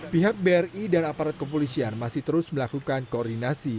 pihak bri dan aparat kepolisian masih terus melakukan koordinasi